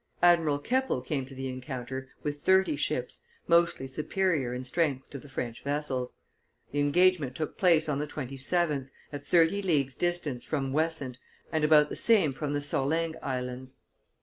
Admiral Keppel came to the encounter with thirty ships, mostly superior in strength to the French vessels. The engagement took place on the 27th, at thirty leagues' distance from Wessant and about the same from the Sorlingues Islands.